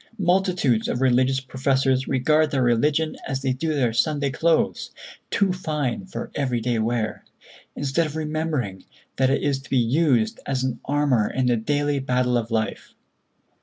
Multitudes of religious professors regard their religion as they do their Sunday clothes, too fine for everyday wear; instead of remembering that it is to be used as an armor in the daily battle of life.